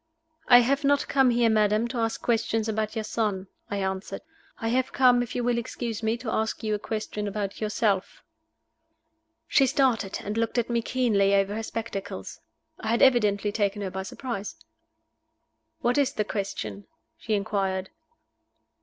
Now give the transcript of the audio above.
"I have not come here, madam, to ask questions about your son," I answered. "I have come, if you will excuse me, to ask you a question about yourself." She started, and looked at me keenly over her spectacles. I had evidently taken her by surprise. "What is the question?" she inquired.